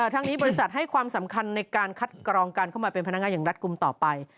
ทั้งนี้บริษัทให้ความสำคัญในการคัดกรองการเข้ามาเป็นพนักงานอย่างรัฐกลุ่มต่อไป